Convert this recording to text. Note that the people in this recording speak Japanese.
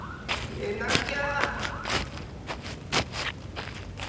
ねなきゃ。